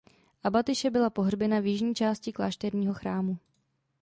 Abatyše byla pohřbena v jižní části klášterního chrámu.